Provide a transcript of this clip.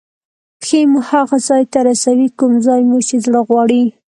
پښې مو هغه ځای ته رسوي کوم ځای مو چې زړه غواړي.